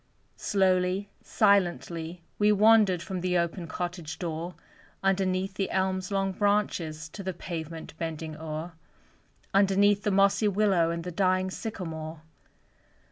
Slowly, silently we wandered From the open cottage door, Underneath the elm's long branches To the pavement bending o'er; Underneath the mossy willow And the dying sycamore.